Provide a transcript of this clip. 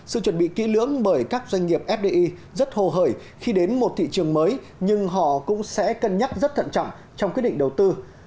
sự chuẩn bị kỹ lưỡng bởi các doanh nghiệp fdi rất hồ hởi khi đến một thị trường mới nhưng họ cũng sẽ cân nhắc rất thận trọng trong quyết định đầu tư